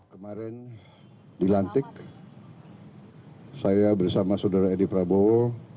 kemarin dilantik saya bersama saudara edi prabowo